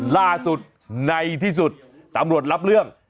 ล่าสุดในที่สุดตำรวจรับเรื่อง